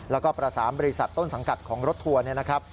แล้วก็ประสามบริษัทต้นสังกัดของรถทัวร์